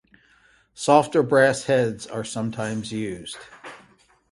Softer brass heads are sometimes used.